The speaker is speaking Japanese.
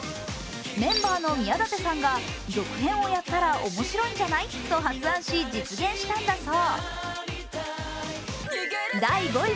メンバーの宮舘さんが続編をやったらおもしろいんじゃない？と発案し、実現したんだそう。